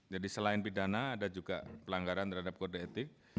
jadi selain pidana ada juga pelanggaran terhadap kode etik